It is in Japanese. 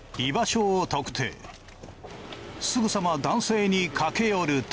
すぐさま男性に駆け寄ると。